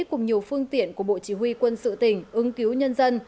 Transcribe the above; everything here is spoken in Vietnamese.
cùng nhiều phương tiện của bộ chỉ huy quân sự tỉnh ứng cứu nhân dân